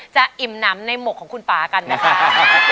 อิ่มน้ำในหมกของคุณป่ากันไหมคะ